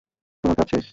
তোমার কাজ শেষ।